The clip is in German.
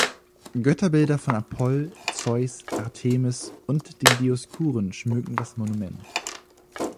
Götterbilder von Apoll, Zeus, Artemis und den Dioskuren schmücken das Monument.